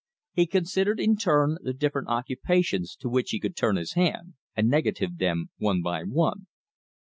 He considered in turn the different occupations to which he could turn his hand, and negatived them one by one.